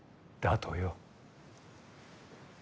だとよ。